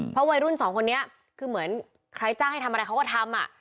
เพราะวัยรุ่นสองคนนี้คือเหมือนใครจ้างให้ทำอะไรเขาก็ทำ